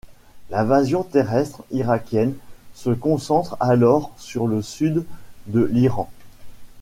L'invasion terrestre irakienne se concentre alors sur le sud de l'Iran.